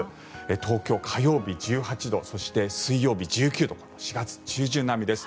東京、火曜日１８度そして水曜日１９度と４月中旬並みです。